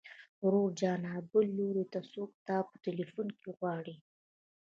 ورور جانه بل لوري ته څوک تا په ټليفون کې غواړي.